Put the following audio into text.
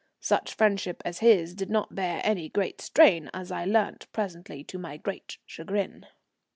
Such friendship as his did not bear any great strain, as I learnt presently to my great chagrin.